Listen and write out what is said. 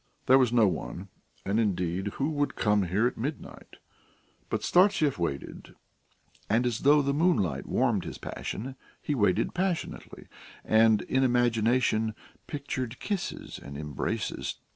There was no one, and, indeed, who would come here at midnight? But Startsev waited, and as though the moonlight warmed his passion, he waited passionately, and, in imagination, pictured kisses and embraces.